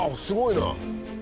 すごいな！